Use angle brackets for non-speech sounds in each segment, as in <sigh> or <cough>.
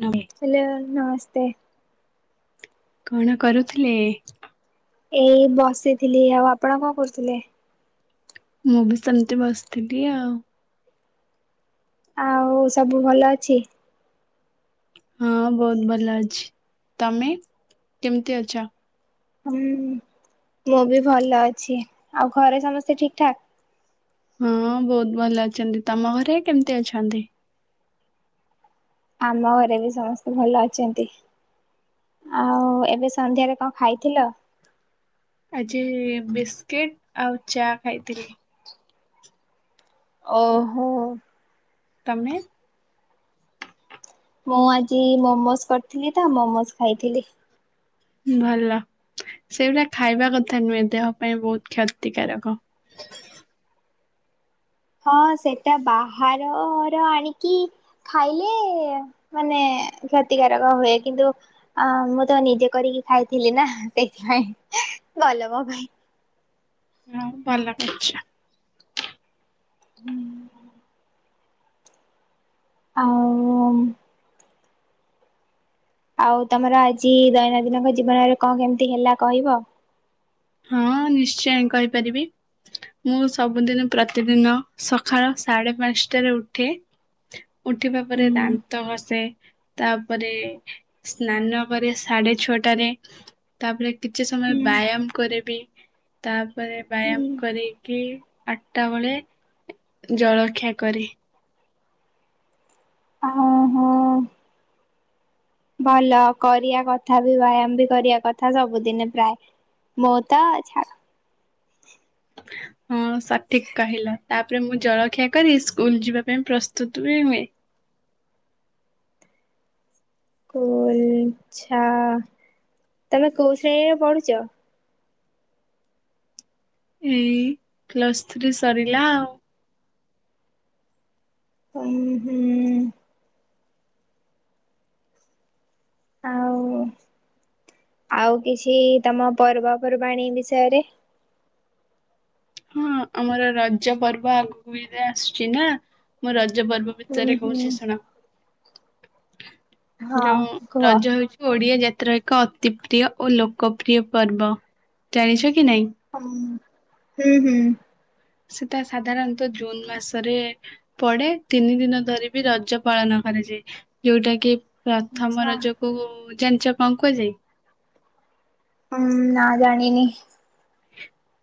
ନମେ hello ନମସ୍ତେ। କଣ କରୁଥିଲେ। ଏଇ ବସିଥିଲି ଆଉ ଆପଣ କଣ କରୁଥିଲେ। ମୁଁ ବି ସେମିତି ବସିଥିଲି ଆଉ। ଆଉ ସବୁ ଭଲ ଅଛି। ହଁ ବହୁତ୍ ଭଲ ଅଛି ତମେ କେମିତି ଅଛ। ହୁଁ ମୁଁ ବି ଭଲ ଅଛି ଆଉ ଘରେ ସମସ୍ତେ ଠିକ୍ ଠାକ୍। ହଁ ବହୁତୁ ଭଲ ଅଛନ୍ତି ତମ ଘରେ। ଆମ ଘରେ ବି ସମସ୍ତେ ଭଲ ଅଛନ୍ତି ଆଉ ଏବେ ସନ୍ଧ୍ୟାରେ କଣ ଖାଇଥିଲ। ଆଜି ବିସ୍କିଟ ଆଉ ଚା ଖାଇଥିଲି। ଓହୋ। ତମେ ମୁଁ ଆଜି ମୋମୋସ କରିଥିଲି ତ ମୋମୋସ୍ ଖାଇଥିଲି। ଭଲ ସେଗୁଡ଼ା ଖାଇବା କଥା ନୁହେଁ ଦେହ ପାଇଁ ବହୁତ କ୍ଷତିକାରକ। ହଁ ସେଟା ବାହାରର ଆଣିକି ଖାଇଲେ ମାନେ କ୍ଷତିକାରକ ହୁଏ କିନ୍ତୁ ଅ ମୁଁ ତ ନିଜେ କରିକି ଖାଇଥିଲି ନା ସେଥିପାଇଁ ଭଲ ମୋ ପାଇଁ। ଭଲ କରିଛ। ହୁଁ। ଆଉ ଆଉ ତମର ଆଜି ଦୈନନ୍ଦିନଙ୍କ ଜୀବନରେ କଣ କେମିତି ହେଲା କହିବ? ହଁ ନିଶ୍ଚୟ କହିପାରିବି ମୁଁ ସବୁଦିନ ପ୍ରତିଦିନ ସକାଳ ସାଢେ ପାଞ୍ଚଟାରେ ଉଠେ। ଉଠିବା ପରେ ହୁଁ ଦାନ୍ତ ଘ ସେ ତାପରେ ସ୍ନାନ କରେ ସାଢେ ଛଅଟାରେ ତାପରେ କିଛି ସମୟ ହୁଁ ବ୍ୟାୟାମ କରିବି ତାପରେ ବ୍ୟାୟାମ ହୁଁ କରିକି ଆଠଟା ବେଳେ ଜଳଖିଆ କରେ। ଓହୋ। ଭଲ କରିବା କଥା ବି ବ୍ୟାୟାମ ବି କରିବା କଥା ସବୁଦିନେ ପ୍ରାୟ ମୁଁ ତ ଛାତ <unintelligible> ହଁ ସଠିକ କହିଲ। ତାପରେ ମୁଁ ଜଳଖିଆ କରି ସ୍କୁଲ ଯିବା ପାଇଁ ପ୍ରସ୍ତୁତ ବି ହୁଏ। ସ୍କୁଲ ଛା ତମେ କୋଉ ଶ୍ରେଣୀରେ ପଢୁଛ। ଏଇ ପ୍ଲସ୍ ଥ୍ରୀ ସରିଲା ଆଉ। ହୁଁ ହୁଁ। ଆଉ ଆଉ କିଛି ତମ ପର୍ବପର୍ବାଣୀ ବିଷୟରେ ହଁ ଆମର ରଜ ପର୍ବ ଆଗକୁ <unintelligible> ଆସୁଛି ନା ମୁଁ ରଜ ରଜ ପର୍ବ ହୁଁ ଭିତରେ ହୁଁ କହୁଛି ଶୁଣ। ହଁ ଯୋଉ କୁହ। ରଜ ହଉଛି ଓଡିଆ ଜାତି ଏକ ଅତି ପ୍ରିୟ ଓ ଲୋକପ୍ରିୟ ପର୍ବ ଜାଣିଛ। କି ନାଇଁ ହଁ। ହୁଁ ହୁଁ। ସେଟା ସାଧାରଣତଃ ଜୁନ ମାସରେ ପଡେ ତିନି ଦିନ ଧରି ବି ରଜ ପାଳନ କରାଯାଏ ଯୋଉଟା କି ପ୍ରଥମ ଆଚ୍ଛା। ରଜ କୁ ଜାଣିଛ କଣ କୁହା ଯାଏ। ହୁଁ ନାଁ ଜାଣିନି।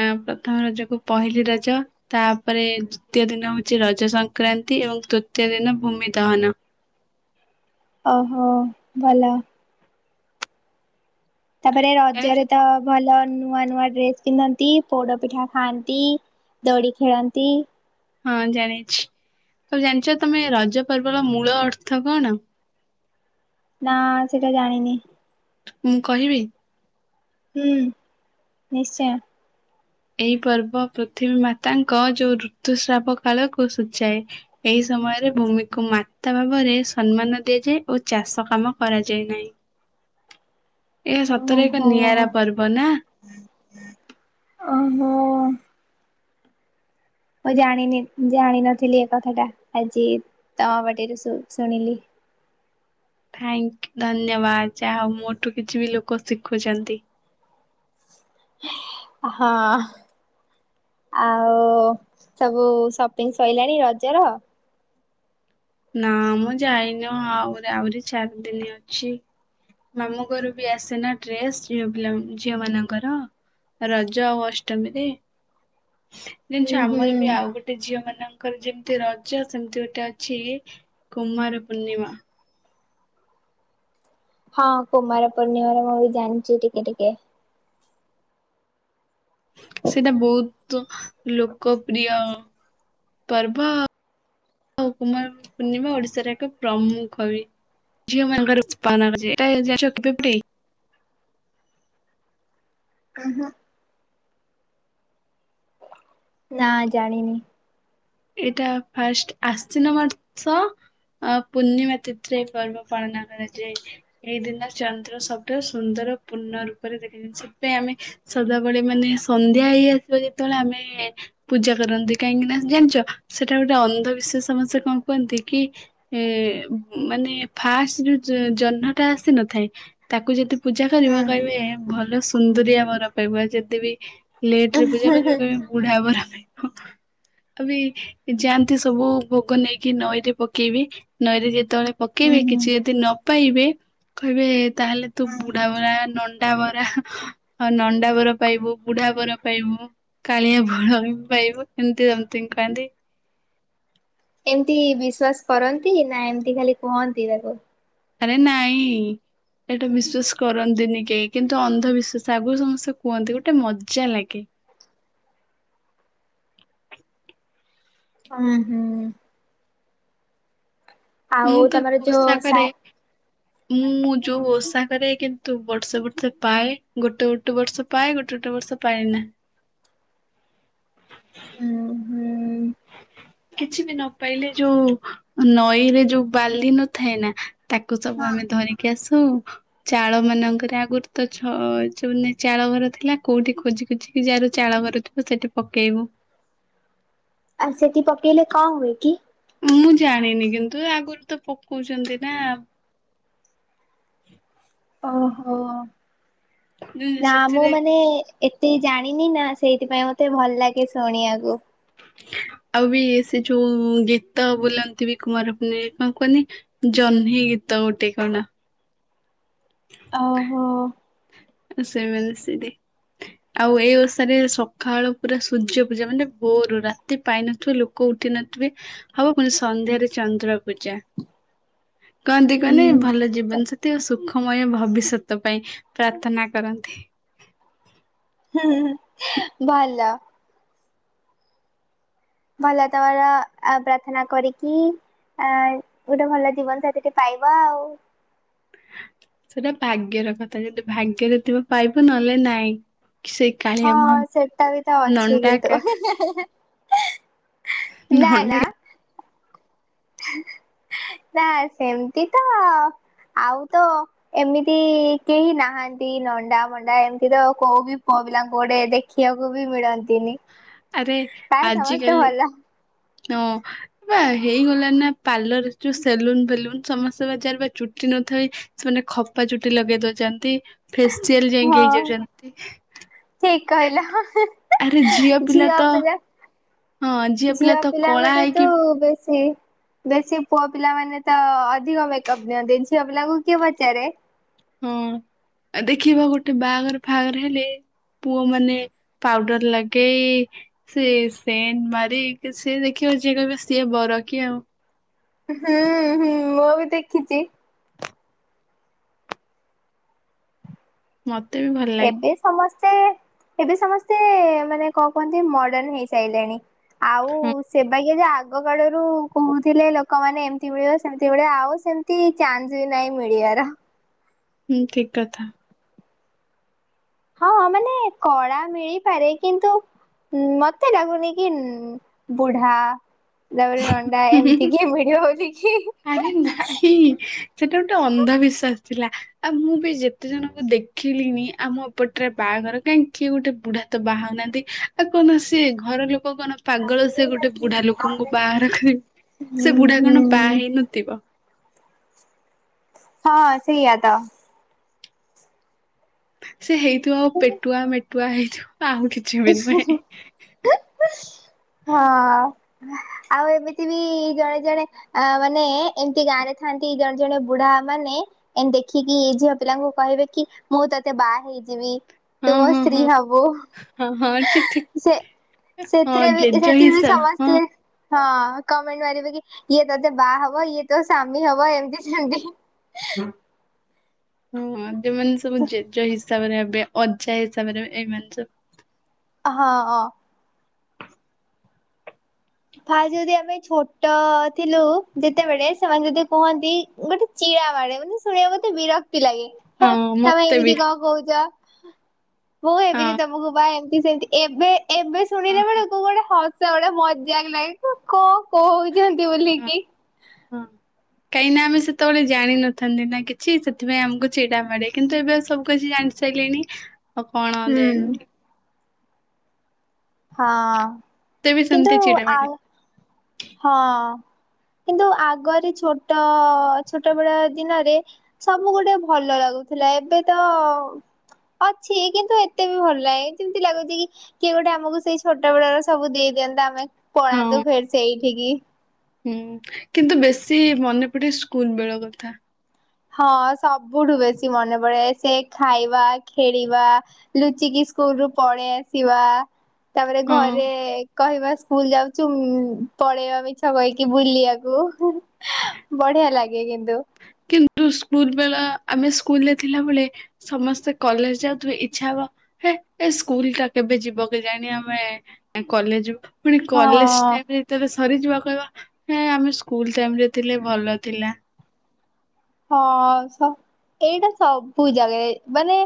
ଆ ପ୍ରଥମ ରଜକୁ ପହିଲି ରଜ ତାପରେ ଦ୍ଵିତୀୟ ଦିନ ହଉଛି ରଜ ସଂକ୍ରାନ୍ତି ଏବଂ ତୃତୀୟ ଦିନ ଭୂମି ଦହନ। ଓହୋ ଭଲ। ତାପରେ ଜାଣିଛ ରଜରେ ତ ଭଲ ନୂଆ ନୂଆ ଡ୍ରେସ ପିନ୍ଧନ୍ତି ପୋଡ ପିଠା ଖାଆନ୍ତି ଦୋଳି ଖେଳନ୍ତି। ହଁ ଜାଣିଛି ତ ଜାଣିଛ ତମେ ରଜ ପର୍ବର ମୂଳ ଅର୍ଥ କଣ? ନା ସେଇଟା ଜାଣିନି। ମୁଁ କହିବି। ହୁଁ ନିଶ୍ଚୟ। ଏହି ପର୍ବ ପୃଥିବୀ ମାତାଙ୍କ ଯୋଉ ଋତୁସ୍ରାବ କାଳକୁ ସୂଚାଏ ଏହି ସମୟରେ ଭୂମିକୁ ମାତା ଭାବରେ ସମ୍ମାନ ଦିଆଯାଏ ଓ ଚାଷ କାମ କରାଯାଏ ନାହିଁ। ଏହା ସତରେ ଏକ ଓହୋ ନିଆରା ପର୍ବ ନା। ଓହୋ। ମୁଁ ଜାଣିନି ଜାଣିିନଥିଲି ଏ କଥା ଟା ଆଜି ତମ ପାଟିରୁ ଶୁଣି ଶୁଣିଲି। ଥ୍ୟାଙ୍କ୍ ଧନ୍ୟବାଦ୍ ଯାହା ହେଉ ମୋଠୁ କିଛି ବି ଲୋକ ଶିଖୁଛନ୍ତି। ହଁଅଅ, ଆଉ ସବୁ ସପିଙ୍ଗ୍ ସଇଲାଣି ରଜର? ନା ମୁଁ ଯାଇନ ଆହୁ ଆହୁରି ଚାରି ଦିନ ଅଛି, ମାମୁଁ ଘରୁ ବି ଆସେନା ଡ୍ରେସ ଝିଅ ପିଲା ଝିଅ ମାନଙ୍କର ରଜ ଆଉ ଅଷ୍ଟମୀରେ। ହୁଁ ଜିନିଷ ହୁଁ ଆମର ବି ଆଉ ଗୋଟେ ଝିଅ ମାନଙ୍କ୍ ତାଙ୍କର ଯେମିତି ରଜ ସେମିତି ଗୋଟେ ଅଛି କୁମାର ପୂର୍ଣ୍ଣିମା। ହଁ କୁମାର ପୂର୍ଣ୍ଣିମାର ମୁଁ ବି ଜାଣିଛି ଟିକେ ଟିକେ ସେଇଟା ବହୁତ୍ ଲୋକପ୍ରିୟ ପର୍ବ ଆଉ କୁମାର ପୂର୍ଣ୍ଣିମା ଓଡିଶାର ଏକ ପ୍ରମୁଖ ବି ଝିଅ ମାନଙ୍କର। <unintelligible> ଉହୁଁ ନା ଜାଣିିନି। ଏଇଟା ଫାଷ୍ଟ୍ ଆଶିନ ମାସ ଅ ପୂର୍ଣ୍ଣିମା ତିଥିରେ ଏଇ ପର୍ବ ପାଳନ କରାଯାଏ, ଏଇ ଦିନ ଚନ୍ଦ୍ର ସବୁଠାରୁ ସୁନ୍ଦର ପୂର୍ଣ୍ଣ ରୂପରେ ଦେଖାଯାଏ ସେଥିପାଇଁ ଆମେ ସଦାବେଳେ ମାନେ ସନ୍ଧ୍ୟା ହେଇ ଆସିବ ଯେତେବେଳେ ଆମେ ପୂଜା କରନ୍ତି। କାହିଁକି ନା ଜାଣିଚ? ସେଟା ଗୋଟେ ଅନ୍ଧ ବିିଶ୍ୱାସ୍ ସମସେ କଣ କୁହନ୍ତି କି ଏଏ ମାନେ ଫାଷ୍ ଯୋଉ ଜହ୍ନଟା ଆସିନଥାଏ ତାକୁ ଯଦି ପୂଜା କରିବ ହୁଁ କହିବେ ଭଲ ସୁନ୍ଦରିଆ ବର ପାଇବ ଯଦି ବିି ଲେଟରେ ପୂଜା କରିବେ କହିବେ ବୁଢା ବର। <inaudible> ଅବି ଯାଆନ୍ତି ସବୁ ଭୋଗ ନେଇକି ନଈରେ ପକେଇବେ ନଈରେ ଯେତେବେଳେ ହୁଁ ପକେଇବେ ହୁଁ। କିଛି ଯଦି ନ ପାଇବେ କହିବେ ତାହେଲେ ତୁ ହୁଁ। ବୁଢ଼ାବୁରା ନନ୍ ନଣ୍ଡା ବରା ନଣ୍ଡା ବର ପାଇବୁ ବୁଢା ବର ପାଇବୁ କାଳିଆ ବଳ ବି ପାଇବୁ ଏମିତି ସେମିତି କହନ୍ତି। ଏମିତି ବିଶ୍ଵାସ କରନ୍ତି, ନା ଏମିତି ଖାଲି କୁହନ୍ତି ତାକୁ? ଆରେ ନାଇଁଇଇ ଏଇଟା ବିଶ୍ଵାସ କରନ୍ତିନି କେହି, କିନ୍ତୁ ଅନ୍ଧବିଶ୍ଵାସ ଆଗରୁ ସମସ୍ତେ କୁହନ୍ତି ଗୋଟେ ମଜା ଲାଗେ। ଅମ୍ ହୁଁ ଆଉ ମୁଁ ତ ତମର ଯୋଉ ଓଷା ସା କରେ, ମୁଁ ଯୋଉ ଓଷା କରେ କିନ୍ତୁ ବର୍ଷେ ବର୍ଷେ ପାଏ ଗୋଟେ ଗୋଟେ ବର୍ଷ ପାଏ ଗୋଟେ ଗୋଟେ ବର୍ଷ ପାଏନା। ହୁଁ ହୁଁ <inaudible> କିଛି ବି ନ ପାଇଲେ ଯୋଉ ନଈରେ ଯୋଉ ବାଲି ନଥାଏ ନା। ତାକୁ ସବୁ ହଁ। ଆମେ ଧରିକି ଆସୁ। ଚାଳ ମାନଙ୍କରେ ଆଗରୁ ତ ଛ ଯୋଉ ଚାଳ ଘର ଥିଲା, କୋଉଠି ଖୋଜି ଖୋଜିିକି ଯାହାର ଚାଳ ଘର ଥିବ ସେଠି ପକେଇବୁ। ଆଉ ସେଠି ପକେଇଲେ କଣ ହୁଏ କି? ମୁଁ ଜାଣିନି କିନ୍ତୁ ଆଗରୁ ତ ପକଉଛନ୍ତି ନା ଓହୋଃ ନା ମୁଁ ସେଥିରେ ମାନେ ଏତେ ଜାଣି ନିନା ସେଇଥିପାଇଁ ମତେ ଭଲ ଲାଗେ ଶୁଣିବାକୁ। ଆଉ ବି ସେ ଯୋଉ ଗୀତ ବୋଲନ୍ତି ବି କୁଆଁର ପୁନେଇଁ କଣ କୁହନି ଜହ୍ନି ଗୀତ ଗୋଟେ କଣ। ଓହୋଃ। <unintelligible> ଆଉ ଏଇ ଓଷାରେ ସକାଳ ପୁରା ସୂର୍ଯ୍ୟ ପୂଜା ମାନେ ଭୋରରୁ ରାତି ପାଇ ନଥିବ ଲୋକ ଉଠି ନଥିବେ ହବ ସନ୍ଧ୍ୟାରେ ଚନ୍ଦ୍ର ପୂଜା। କହନ୍ତି ହୁଁ କନି ଭଲ ଜୀବନ ସାଥୀ ଆଉ ସୁଖମୟ ଭ ଭବିଷ୍ୟତ ପାଇଁ। ପ୍ରାର୍ଥନା କରନ୍ତି। ହୁଁ ହୁଁ ହୁଁ ଭଲ। ଭଲ ତମର ପ୍ରାର୍ଥନା ଆ କରିକି ଆ ଗୋଟେ ଭଲ ଜୀବନ ସାଥୀଟେ ପାଇବ ଆଉ। ସେଟା ଭାଗ୍ୟର କଥା ।ଯଦି ଭାଗ୍ୟରେ ଥିବ ପାଇବୁ ନହେଲେ ନାଇଁ। ସେଇ ହଁ କାଳିଆ ମୁହାଁ ସେଟା ବି ତ ଅଛି ନଣ୍ଡା କା କିନ୍ତୁ। <unintelligible> ନା ନଣ୍ଡା ନା। ନା ସେମିତି ତ ଆଉ ତ ଏମିତି କେହି ନାହାନ୍ତି ।ନଣ୍ଡା ଭଣ୍ଡା ଏମିତି ତ କୋଉ ବି ପୁଅ ପିଲାଙ୍କୁ ଗୋଟେ ଦେଖିବାକୁ ବି ମିଳନ୍ତି। ନ୍ତିନି ଆରେ ପ୍ରଏ ସମସ୍ତ ଆଜିକାଲି ଭଲ। ହଁ ବା ହେଇଗଲା ନା ପାର୍ଲର ଯୋଉ ସେଲୁନ ଫେଲୁନ। ସମସ୍ତେ ବାଜାର ବା ଚୁଟି ନଥାଏ ସେମାନେ ଖପା ଚୁଟି ଲଗେଇ ଦଉଛନ୍ତି। ଫେଷ୍ଟିଆଲ ଯାଇକି ହେଇଯାଉଛନ୍ତି। କାହିଲ ହଁ । ଆରେ ଝିଅ ପିଲା ତ ହଁ ଝିଅ ପିଲା ତ କଳା ପିଲାଙ୍କଠୁ ତୁ ହେଇକି ବି । ବେଶୀ ବେଶୀ ପୁଅ ପିଲାମାନୋନେ ତ ଅଧିକ ମେକପ ନିଅନ୍ତି ଝିଅ ପିଲାଙ୍କୁ କିଏ ପଚାରେ। ହଁ ଆ ଦେଖିବ ଗୋଟେ ବାହାଘର ଫହାଘର ହେଲେ ପୁଅ ମାନେ ପାଉଡର ଲଗେଇ ସିଏ ସେଣ୍ଟ ମାରିକ ସିଏ ଦେଖିବ ଯିଏ କହିବ ସିଏ ବର କି ଆଉ। ହୁଁ ହୁଁ ମୁଁ ବି ଦେଖିଛି। ମ। ଏବେ ସମସ୍ତେ। ସେ ଏବେ ସମସ୍ତେ ମାନେ କଣ କୁହନ୍ତି ମଡର୍ଣ ହେଇସାରିଲେଣି। ଆଉ ହଁ ସେବାଗିଆ ଯ ଆଗ। ଆଗ କଳରୁ କହୁଥିଲେ ଲୋକମାନେ ଏମିତି ମିଳିବ ସେମତି ମିଳିବ ଆଉ ସେମିତି ଚାନ୍ସ ବି ନାହିଁ ମିଳିବାର। ହୁଁ ଠିକ କଥା। ହଁ ମାନେ କଳା ମିଳିପାରେ କିନ୍ତୁ ମତେ ଲାଗୁନି କି ବୁଢା ତାପରେ ନ ଣ୍ଡାଏମିତି କି ମିଳିବ ବୋଲିକି । ଆରେ ନାଇଁ ସେଟା ଗୋଟେ ଅନ୍ଧବିଶ୍ୱାସ। ଥିଲା ଆଉ ମୁଁ ବି ଯେତେ ଜଣଙ୍କୁ ଦେଖିଲିଣିି ଆମ ପଟରେ ବାହାଘର କାହିଁ କିିଏ ଗୋଟେ ବୁଢା ତ ବାହା ହଉ ନାହାନ୍ତି ଆଉ କୌଣସି ଘର ଲୋକ। । ଲୋକ କଣ ପାଗଳ ସେ ଗୋଟେ ବୁଢା ଲୋକଙ୍କୁ ବାହାଘର କରିବେ ହୁଁ ସେ ବୁଢା କଣ। ବା ହୁଁ। ହେଇ ନଥିବ। ହଁ ସେଇଆ ତ। ସେ ହେଇଥିବ ପେଟୁଆ ମେ ଟୁଆ ହେଇଥିବ। ଆଉ କିଛି ବି ଉଁ ନୁହେଁ। ହୁଁ ହଁ <unintelligible> ଆଉ ଏମିତି ବି ଜଣେ ଜଣେ ଆ ମାନେ ଏମିତି ଗାଁ ରେ ଥାନ୍ତି ଜଣେ ଜଣେ ବୁଢା ମାନେ ଦେଖିକି ଏ ଝିଅ ପିଲାଙ୍କୁ କହିବେ କି ମୁଁ ତତେ ବାହା ହେଇଯିବି। ତୁ ହଁ ମୋ ହଁ ସ୍ତ୍ରୀ ହଁ ହବୁ ହଁ । ହଁ ଠିକ ଠିକ ହଁ ବି ଜେଜ ସେଥିରେ ବି ହିସାବ ସମସ୍ତେ ହଁ । ହଁ କମେଣ୍ଟ ମାରିବେ କି ଇଏ ତୋତେ ବାହା ହବ ଇଏ ତୋ ସାମୀ ହବ ଏମିତି ସେମତି। ହୁଁ। ଯୋଉମାନେ ସବୁ ଜେଜ ହିସାବ। ହିସାବରେ ହେବେ ଅଜା ହିସାବରେ ହେବେ ଏଇମାନେ ସବୁ। ହଁ । ଫା ଯଦି ଆମେ ଛୋଟ ଥିଲୁ ଯେତେବେଳେ ସେମାନେ ଯଦି କୁହନ୍ତି ଗୋଟେ ଚିଡ଼ା ମାରେ ମାନେ ଶୁଣିବା ଗୋତେ ବିରକ୍ତ ଲାଗେ ହେ ହଁ ତମେ ମତେ ବି ଏମିତି କଣ କହୁଚ। <inaudible> ମୁଁ ହେବିନି ହଁ ତମକୁ ବାହେବି <unintelligible> ଏବେ। ଏବେ ହଁ। ଶୁଣିଲା ବେଳକୁ ଗୋଟେ ହ <unintelligible> <unintelligible> ତୁ କଣ କହୁ <unintelligible> ବୋଲି ହଁ। କି। ହଁ। କାହିଁକି ନା ଆମେ ସେତେବେଳେ ଜାଣିିନଥାନ୍ତି ନା କିଛି। ସେଥିପାଇଁ ଆମକୁ ଚିଡ଼ା ମାଡେ। କିନ୍ତୁ ଏବେ ଆଉ ସବୁ କିଛି ଜାଣି ସାଇଲେଣି। ତ କଣ ହୁଁ। <unintelligible> ହଁ। ବି କିନ୍ତୁ ସେମିତି ଚିଡା ମାଡେ ଆଉ ହଁ। କିନ୍ତୁ ଆଗରେ ଛୋଟ ଛୋଟ ବେଳ ଦିନରେ ସବୁ ଗୋଟେ ଭଲ ଲାଗୁଥିଲା। ଏବେ ତ ଅଛି କିନ୍ତୁ ଏତେ ବି ଭଲ ନାହିଁ। ଯେମିତି ଲାଗୁଛି କି କିଏ ଗୋଟେ ଆମକୁ ସେଇ ଛୋଟ ବେଳ ର ସବୁ ଦେଇ ଦିଅନ୍ତା ଆମେ ପଳାନ୍ତୁ ହଁ। ଫେରି ସେଇ <unintelligible> ହୁଁ କିନ୍ତୁ ବେଶୀ ମନେ ପଡେ ସ୍କୁଲ ବେଳ କଥା। ହଁ ସବୁଠୁ ବେଶୀ ମନେ ପଡେ। ସେ ଖାଇବା ଖେଳିବା ଲୁଚିକି ସ୍କୁଲ ରୁ ପଳେଇ ଆସିବା। ତାପରେ ହଁ ଘରେ କହିବା। ସ୍କୁଲ ଯାଉଛୁ ପଳେଇବା ମିଛ କହିକି ବୁଲିବାକୁ। ବଢିଆ ଲାଗେ କିନ୍ତୁ। କିନ୍ତୁ ସ୍କୁଲ ବେଳ ଆମେ ସ୍କୁଲରେ ଥିଲାବେଳେ ସମସ୍ତେ କଲେଜ ଯାଉଥିବେ। ଇଚ୍ଛା ହବ ହେ ଏ ସ୍କୁଲ ଟା କେବେ ଯିବ କେ ଯାଣି ଆମେ କଲେଜ ଯିବୁ ପୁଣି କଲେଜ ହଁ ଟାଇମ୍ ରେ ଯେତେବେଳେ ସ୍କୁ ଥରେ ଯିବା କହିବା ହେ ଆମେ ସ୍କୁଲ ଟାଇମ ରେ ଥିଲେ ଭଲ ଥିଲା। ହଁ ଏଇଟା ସବୁ ଜାଗାରେ ମାନେ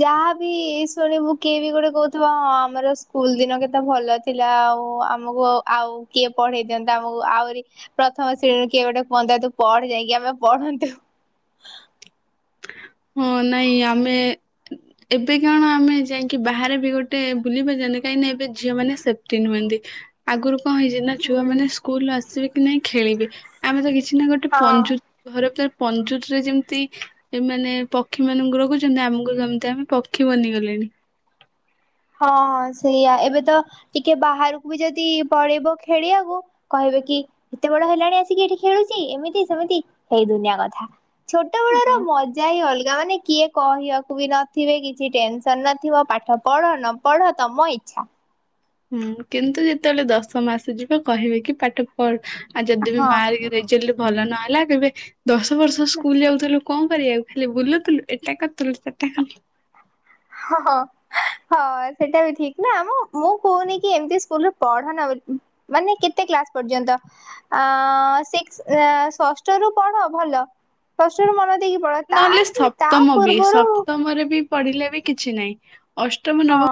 ଯାହାବି ଶୁଣିବୁ କିଏ ବି ଗୋଟେ କହୁଥିବ। ହଁ ଆମର ସ୍କୁଲ ଦିନ କେତେ ଭଲ ଥିଲା। ଆଉ ଆମକୁ ଆଉ କିଏ ପଢେଇ ଦିଅନ୍ତା ଆମକୁ। ଆହୁରି ପ୍ରଥମ ଶ୍ରେଣୀରୁ କିଏ ଗୋଟେ କୁହନ୍ତା ତୁ ପଢ ଯାଇକି ଆମେ ପଢନ୍ତୁ। <inaudible> ହଁ ନାଇଁ ଆମେ ଏବେ କିଅଣ ଆମେ ଯାଇକି ବାହାରେ ବି ଗୋଟେ ବୁଲି <unintelligible> କାହିଁକିନା ଏବେ ଝିଅ ମାନେ ସେଫ୍ଟି ନୁହନ୍ତି ଆଗରୁ କଣ ହେଇଛି ନା ହୁଁ ଛୁଆମାନେ ସ୍କୁଲ ଆସିବେ କି ନାଇଁ ଖେଳିବେ ଆମେ ତ କିଛି ନା ଗୋଟେ ହଁ। ପଞ୍ଜୁ ଘର <unintelligible> ପଞ୍ଜୁୁର ରେ ଯେମିତି ଏ ମାନେ। ପକ୍ଷୀ ମାନଙ୍କୁ ରଖୁଛନ୍ତି ଆମକୁ ସେମିତି ଆମେ ପକ୍ଷୀ ବନିଗଲେଣି। ହଁ ହଁ ସେଇଆ ଏବେ ତ ଟିକେ ବାହାରକୁ ବି ଯଦି ପଳେଇବ ଖେଳିବାକୁ। କହିବେ କି ଏତେ ବଡ ହେଲାଣି ଆସିକି ଏଠି ଖେଳୁଛି। ଏମିତି ସେମିତି ହେଇ ଦୁନିଆ କଥା। ଛୋଟ ବେଳ ର ହଁ ମଜା ହିଁ ଅଲଗା ମାନେ କିଏ କହିବାକୁ ବି ନଥିବେ କିଛି ଟେନସନ ନଥିବ ପାଠ ପଢ। ନ ପଢ଼ ତମ ଇଛା। ହୁଁ କିନ୍ତୁ ଯେତେବେଳେ ଦଶମ ଆସିଯିବ କହିବେ କି ପାଠ ପଢ଼। ଆଉ ଯଦି ବି ହଁ ମାର୍କ ରେଜଲ୍ଟ ଭଲ ନହେଲା କହିବେ ଦଶ ବର୍ଷ ସ୍କୁଲ ଯାଉଥିଲୁ। କଣ କରିବାକୁ ଖାଲି ବୁଲୁଥିଲୁ। ଏଟା କରିଥିଲୁ ସେଟା କରି ହହଁ ହଁ ସେଟା ବି ଠିକ ନାମ। ମୁଁ କହୁନି କି ଏମତି ସ୍କୁଲରେ ପଢନା ବୋଲି। ମାନେ କେତେ କ୍ଲାସ ପର୍ଯ୍ୟନ୍ତ। ଆଁ ସିକ୍ସ୍ ମାନେ ଷଷ୍ଠ ରୁ ପଢ ଭଲ ଷଷ୍ଠ ରୁ ମନ ଦେଇ। ନହେଲେ ସପ୍ତମ ବି ସପ୍ତମରେ ବି। ପଢିଲେ ବି କିଛି ନାଇଁ। ଅଷ୍ଟମ ନବ। ହଁ